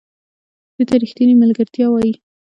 دې ته ریښتینې ملګرتیا وایي .